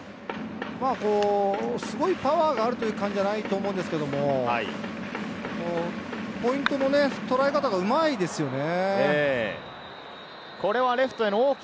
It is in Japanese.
すごいパワーがある感じじゃないと思うんですけれど、ポイントのとらえ方がうまいですよね。